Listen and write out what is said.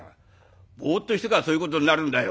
ボッとしてっからそういうことになるんだよ。